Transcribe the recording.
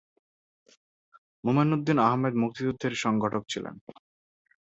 মোমেন উদ্দিন আহমেদ মুক্তিযুদ্ধের সংগঠক ছিলেন।